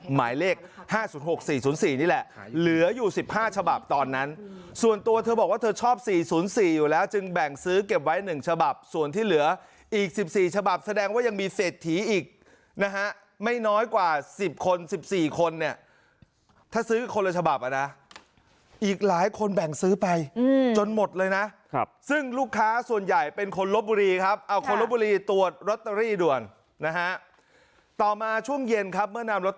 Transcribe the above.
หมายเลข๕๐๖๔๐๔นี่แหละเหลืออยู่๑๕ฉบับตอนนั้นส่วนตัวเธอบอกว่าเธอชอบ๔๐๔อยู่แล้วจึงแบ่งซื้อเก็บไว้๑ฉบับส่วนที่เหลืออีก๑๔ฉบับแสดงว่ายังมีเศรษฐีอีกนะฮะไม่น้อยกว่า๑๐คน๑๔คนเนี่ยถ้าซื้อคนละฉบับอ่ะนะอีกหลายคนแบ่งซื้อไปจนหมดเลยนะครับซึ่งลูกค้าส่วนใหญ่เป็นคนลบบุรีครับเอ